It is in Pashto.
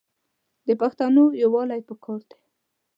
د پښتانو یوالي پکار دی.